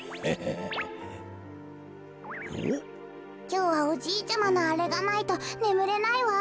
きょうはおじいちゃまのあれがないとねむれないわ。